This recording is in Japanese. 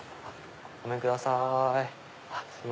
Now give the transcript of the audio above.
ごめんください。